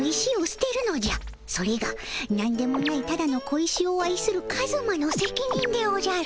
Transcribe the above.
それがなんでもないただの小石を愛するカズマのせきにんでおじゃる。